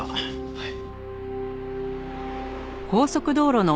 はい。